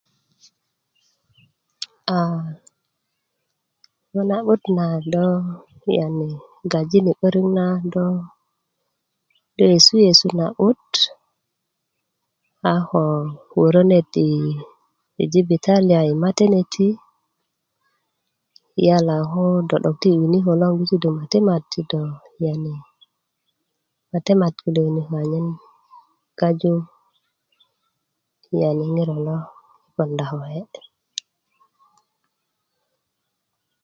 a ŋo na'but na yani do gajini 'börik na do yesiyesu na'but a ko woro net i jibitalia i mateneti yala ko do 'dok tiki winiko logon ti do mate mat ti do yani mate mat kilo winikö manyen gaju ŋiro lo ponda koke'